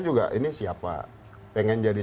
juga ini siapa pengen jadi